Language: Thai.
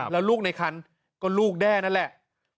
แล้วลูกในคันก็ลูกแด้นั่นแหละ